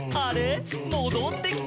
もどってきた」